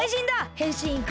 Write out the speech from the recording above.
へんしんいくぞ！